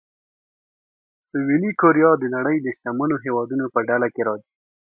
سویلي کوریا د نړۍ د شتمنو هېوادونو په ډله کې راځي.